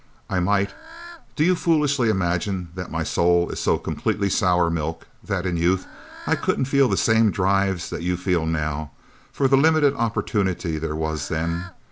"I might. Do you foolishly imagine that my soul is so completely sour milk that in youth I couldn't feel the same drives that you feel, now, for the limited opportunity there was, then?